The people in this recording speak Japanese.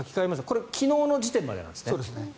これは昨日の時点までなんです。